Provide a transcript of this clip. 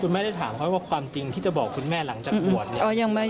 ไม่ได้ถามเขาว่าความจริงที่จะบอกคุณแม่หลังจากบวชเนี่ย